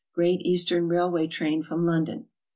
Great Eastern Railway train from London.